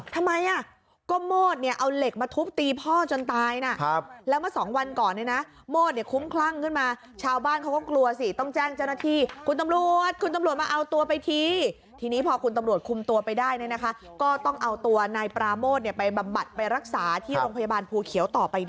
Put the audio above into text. ต้องแจ้งเจ้าหน้าที่คุณตรวจคุณตรวจมาเอาตัวไปที